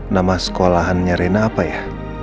nama sekolahannya rena apa ya